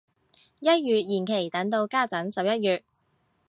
一月延期等到家陣十一月